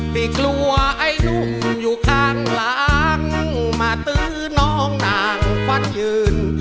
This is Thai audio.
ไม่กลัวไอ้นุ่มอยู่ข้างหลังมาตื้อน้องนางฟัดยืน